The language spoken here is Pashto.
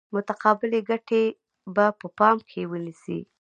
متقابلې ګټې به په پام کې ونیسي.